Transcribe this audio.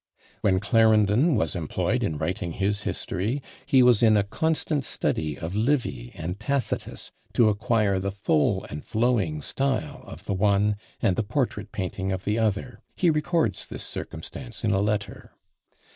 When Clarendon was employed in writing his history, he was in a constant study of Livy and Tacitus, to acquire the full and flowing style of the one, and the portrait painting of the other: he records this circumstance in a letter.